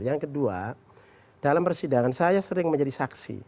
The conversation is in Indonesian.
yang kedua dalam persidangan saya sering menjadi saksi